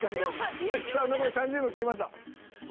さあ残り３０秒切りました。